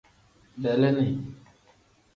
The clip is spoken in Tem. Beleeni.